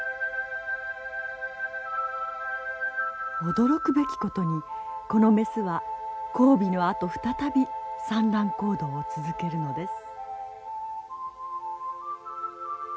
驚くべきことにこのメスは交尾のあと再び産卵行動を続けるのです。